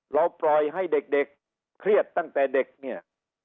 เราปล่อยให้เด็กเครียดตั้งแต่เด็กเนี่ย